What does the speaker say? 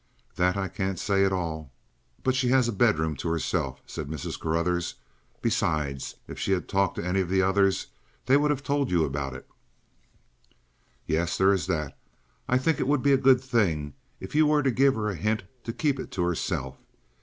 "That I can't say at all. But she has a bedroom to herself," said Mrs. Carruthers. "Besides, if she had talked to any of the others, they would have told you about it." "Yes; there is that. I think it would be a good thing if you were to give her a hint to keep it to herself.